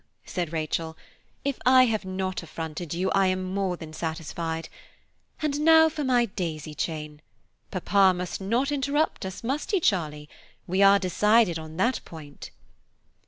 said Rachel, "if I have not affronted you, I am more than satisfied; and now for my daisy chain. Papa must not interrupt us, must he, Charlie? We are decided on that point."